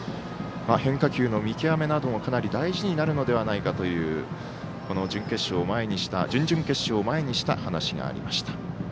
変化球の見極めなどもかなり大事になるのではという準々決勝を前にした話がありました。